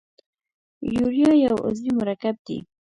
یوریا یو عضوي مرکب دی.